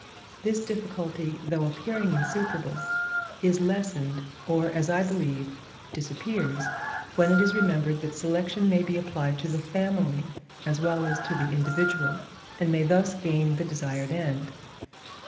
This difficulty, though appearing insuperable, is lessened, or, as I believe, disappears, when it is remembered that selection may be applied to the family, as well as to the individual, and may thus gain the desired end.